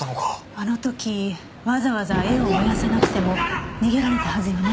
あの時わざわざ絵を燃やさなくても逃げられたはずよね。